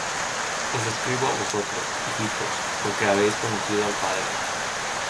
Os escribo á vosotros, hijitos, porque habéis conocido al Padre.